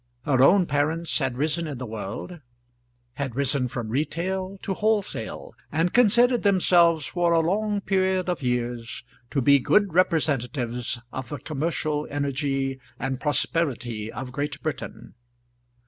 Her own parents had risen in the world, had risen from retail to wholesale, and considered themselves for a long period of years to be good representatives of the commercial energy and prosperity of Great Britain.